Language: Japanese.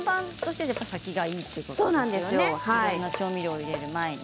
いろんな調味料を入れる前に。